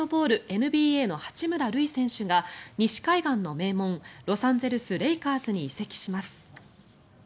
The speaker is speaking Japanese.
ＮＢＡの八村塁選手が西海岸の名門ロサンゼルス・レイカーズに移籍します。